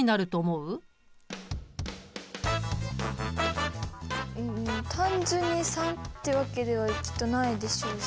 うん単純に３ってわけではきっとないでしょうし。